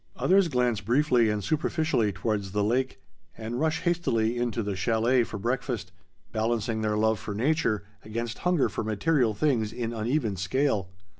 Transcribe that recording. Others glance briefly and superficially towards the lake, and rush hastily into the chalet for breakfast, balancing their love for nature against hunger for material things in uneven scale.